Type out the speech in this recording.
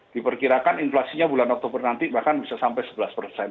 diperkirakan inflasinya bulan oktober nanti bahkan bisa sampai sebelas persen